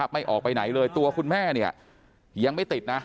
ไม่ออกไปไหนเลยตัวคุณแม่เนี่ยยังไม่ติดนะ